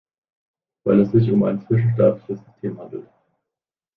Weil es sich um ein zwischenstaatliches System handelt!